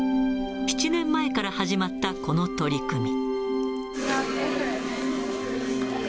７年前から始まったこの取り組み。